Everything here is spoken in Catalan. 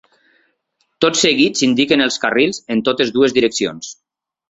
Tot seguit s'indiquen els carrils en totes dues direccions.